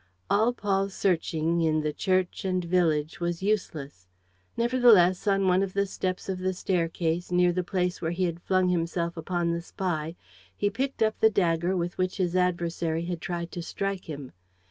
All Paul's searching, in the church and village, was useless. Nevertheless, on one of the steps of the staircase, near the place where he had flung himself upon the spy, he picked up the dagger with which his adversary had tried to strike him.